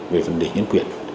về vấn đề nhân quyền